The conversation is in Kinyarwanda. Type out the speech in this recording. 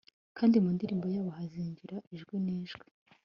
kandi mu ndirimbo yabo hazinjira, ijwi n'ijwi